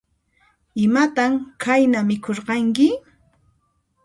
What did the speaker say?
Imatan qayna mikhurqanki?